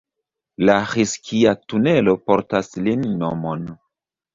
La Ĥizkija-tunelo portas lin nomon.